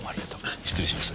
あ失礼します。